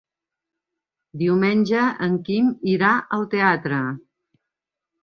Diumenge en Quim irà al teatre.